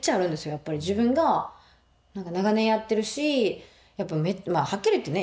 やっぱり自分が長年やってるしやっぱはっきり言ってね